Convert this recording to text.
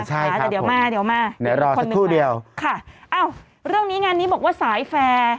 ใช่ครับผมเดี๋ยวรอสักครู่เดียวค่ะอ้าวเรื่องนี้งานนี้บอกว่าสายแฟร์